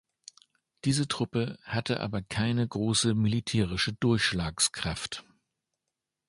Diese Truppe hatte aber keine große militärische Durchschlagskraft.